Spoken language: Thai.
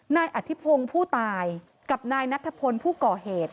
นายอธิพงศ์ผู้ตายกับนายนัทธพลผู้ก่อเหตุ